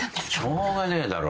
しょうがねえだろ。